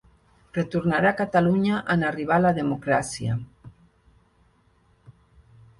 Retornarà Catalunya en arribar la democràcia.